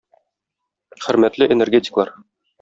Хөрмәтле энергетиклар!